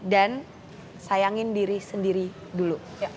dan sayangin diri sendiri dulu